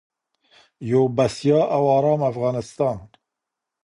یو بسیا او ارام افغانستان.